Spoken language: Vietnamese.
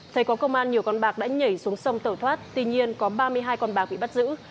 thấy có công an nhiều con bạc đã nhảy xuống sông tẩu thoát tuy nhiên có ba mươi hai con bạc bị bắt giữ